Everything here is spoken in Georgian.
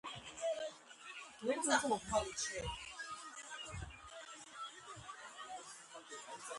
ცენტრალური ძალების მიერ ჩატარებული სამხედრო კომპანიის შედეგად რუმინეთმა კატასტროფული მარცხი განიცადა.